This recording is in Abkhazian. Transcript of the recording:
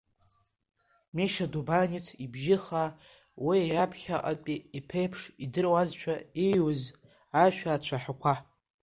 Миша Дубанец ибжьы хаа, уи иаԥхьаҟатәи иԥеиԥш идыруазшәа ииҩыз ашәа ацәаҳәақәа…